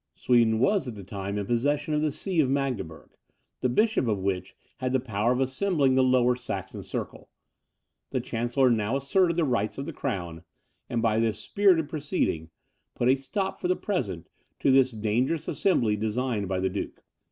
Sweden was at the time in possession of the See of Magdeburg, the bishop of which had the power of assembling the Lower Saxon circle. The chancellor now asserted the rights of the crown, and by this spirited proceeding, put a stop for the present to this dangerous assembly designed by the duke.